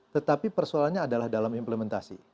tetapi persoalannya adalah dalam implementasi